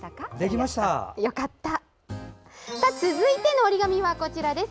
続いての折り紙はこちらです。